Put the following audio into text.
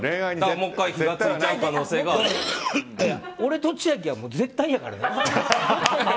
俺と千秋は絶対やからね。